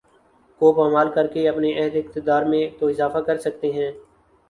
کو پامال کرکے اپنے عہد اقتدار میں تو اضافہ کر سکتے ہیں